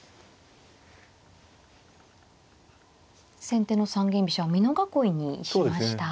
先手の三間飛車は美濃囲いにしました。